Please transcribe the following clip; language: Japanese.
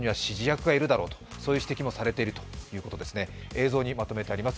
映像にまとめてあります。